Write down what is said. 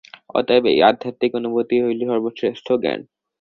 অতএব এই আধ্যাত্মিক অনুভূতিই হইল সর্বশ্রেষ্ঠ জ্ঞান।